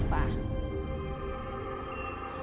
ทุกวันดัน๒๑๕ค่ะ